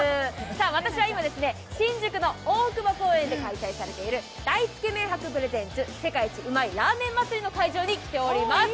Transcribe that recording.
私は今、新宿の大久保公園で開催されている大つけ麺博プレゼンツ、世界一うまいラーメン祭の会場に来ております。